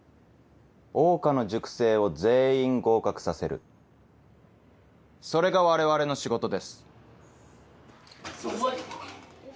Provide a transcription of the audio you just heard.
桜花の塾生を全員合格させるそれが我々の仕事です。